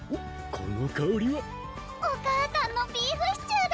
このかおりはお母さんのビーフシチューだ！